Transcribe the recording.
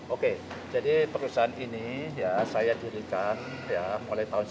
oke jadi perusahaan ini saya dirikan mulai tahun seribu sembilan ratus sembilan puluh empat